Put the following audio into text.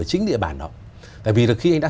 chính địa bàn đó tại vì là khi anh đã